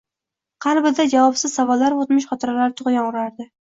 Qalbida javobsiz savollar-u, o`tmish xotiralari tug`yon urardi